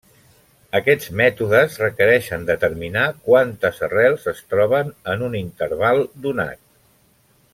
Aquests mètodes requereixen determinar quantes arrels es troben en un interval donat.